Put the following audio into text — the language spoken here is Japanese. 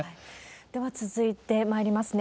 では続いてまいりますね。